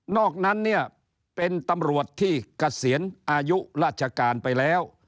อกนั้นเนี่ยเป็นตำรวจที่เกษียณอายุราชการไปแล้ว